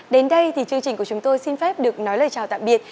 đến đây thì chương trình của chúng tôi xin phép được nói lời chào tạm biệt